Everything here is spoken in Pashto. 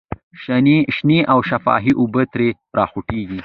شنې او شفافې اوبه ترې را خوټکېدلې.